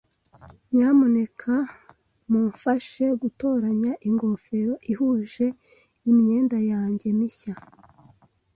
Nyamuneka mumfashe gutoranya ingofero ihuje imyenda yanjye mishya.